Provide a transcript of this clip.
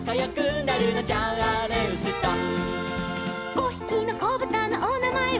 「５ひきのこぶたのおなまえは」